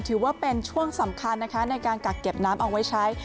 ถือว่าเป็นช่วงสำคัญนะคะในการกักเก็บน้ำเอาไว้ใช้